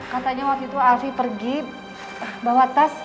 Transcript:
katanya waktu itu alfie pergi bawa tas